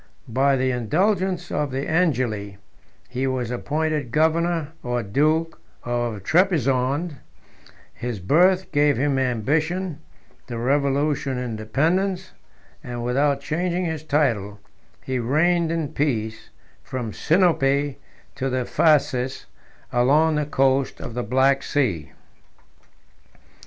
By the indulgence of the Angeli, he was appointed governor or duke of Trebizond: 21 211 his birth gave him ambition, the revolution independence; and, without changing his title, he reigned in peace from Sinope to the Phasis, along the coast of the Black Sea.